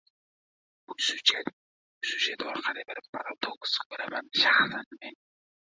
Bu syujet orqali bir paradoks koʻraman shaxsan men.